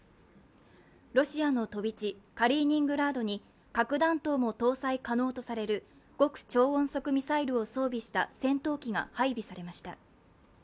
ロシアの飛び地、カリーニングラードに核弾頭も搭載可能とされる極超音速ミサイルを装備した戦闘機が配備されました。